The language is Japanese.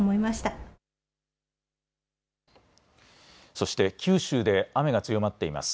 そして九州で雨が強まっています。